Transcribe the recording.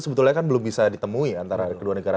sebetulnya kan belum bisa ditemui antara kedua negara